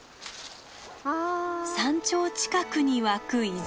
山頂近くに湧く泉。